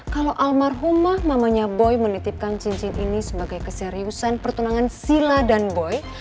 kalau almarhumah mamanya boy menitipkan cincin ini sebagai keseriusan pertunangan sila dan boy